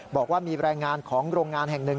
บอกว่ามีแรงงานของโรงงานแห่งหนึ่ง